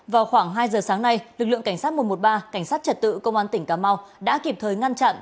vào khoảng hai giờ sáng nay lực lượng cảnh sát một trăm một mươi ba cảnh sát trật tự công an tỉnh cà mau đã kịp thời ngăn chặn